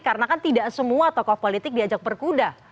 karena kan tidak semua tokoh politik diajak berkuda